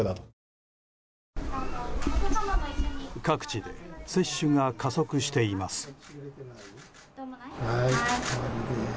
各地で接種が加速しています。